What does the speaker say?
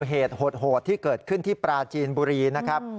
เหตุโหดที่เกิดขึ้นที่ปราจีนบุรีนะครับ